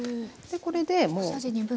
これでもう。